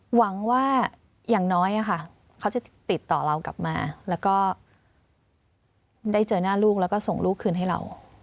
หวังว่าอย่างน้อยเขาจะติดต่อเรากลับมาแล้วก็ได้เจอหน้าลูกแล้วก็ส่งลูกคืนให้เรา